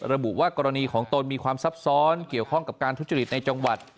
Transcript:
ระบุว่ากรณีของตนมีความซับซ้อนเกี่ยวข้องกับการทุจริตในจังหวัด